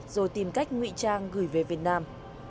rồi tìm cách ngụy trang gửi về việt nam